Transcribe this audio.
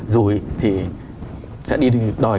rồi thì sẽ đi đòi